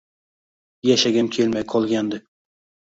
Yashagim kelmay qolgandi